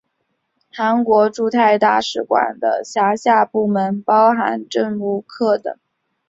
韩国驻泰大使馆的辖下部门包含政务课等。